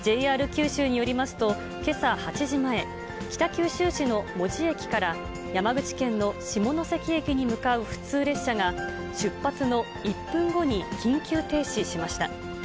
ＪＲ九州によりますと、けさ８時前、北九州市の門司駅から山口県の下関駅に向かう普通列車が、出発の１分後に緊急停止しました。